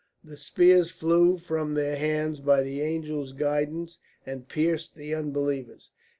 The spears flew from their hands by the angels' guidance and pierced the unbelievers.